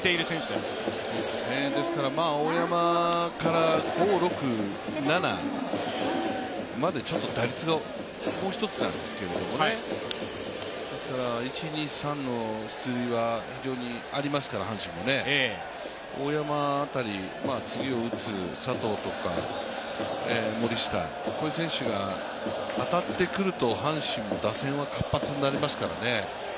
ですから大山から５、６、７までちょっと打率がもうひとつなんですけどねですから、１、２、３の出塁は阪神も非常にありますから、大山辺り、次を打つ佐藤とか森下、こういう選手が当たってくると阪神も打線は活発になりますからね。